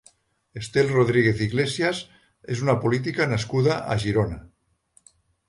Estel Rodríguez Iglesias és una política nascuda a Girona.